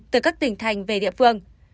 từ các tỉnh thành về địa phương